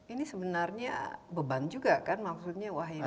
ini sebenarnya beban juga kan maksudnya wah ini